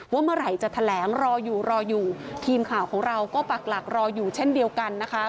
เมื่อไหร่จะแถลงรออยู่รออยู่ทีมข่าวของเราก็ปักหลักรออยู่เช่นเดียวกันนะคะ